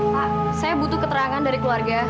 pak saya butuh keterangan dari keluarga